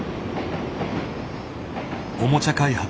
おもちゃ開発